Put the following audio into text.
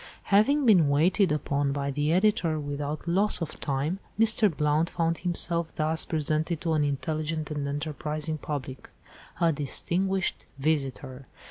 Having been waited upon by the editor without loss of time, Mr. Blount found himself thus presented to an intelligent and enterprising public:— "A DISTINGUISHED VISITOR.